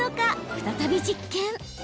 再び実験。